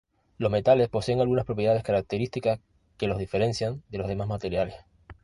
Los metales poseen algunas propiedades características que los diferencian de los demás materiales.